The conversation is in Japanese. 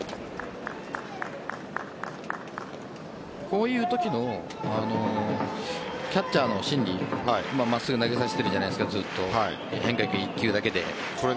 こういうときのキャッチャーの心理真っすぐ投げさせてるじゃないですか、ずっと変化球１球だけで。